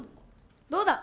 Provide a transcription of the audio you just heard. どうだ？